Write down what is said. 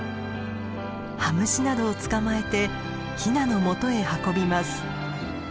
羽虫などを捕まえてヒナのもとへ運びます。